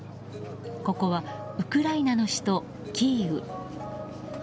ここはウクライナの首都キーウ。